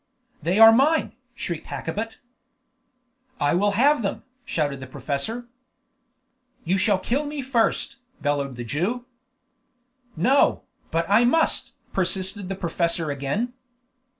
"They are mine!" shrieked Hakkabut. "I will have them!" shouted the professor. "You shall kill me first!" bellowed the Jew. "No, but I must!" persisted the professor again.